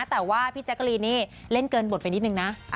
แต่ว่าพี่แจ๊กกะรีนนี่เล่นเกินบทไปนิดนึงนะ